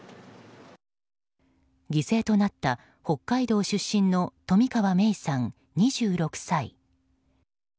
犠牲となった北海道出身の冨川芽生さん、２６歳。